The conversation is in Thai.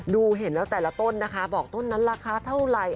ดูเห็นแล้วแต่ละต้นนะคะบอกต้นนั้นราคาเท่าไหร่